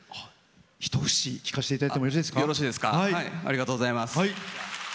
一節聴かせていただいてもよろしいですか？